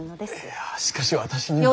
いやしかし私には。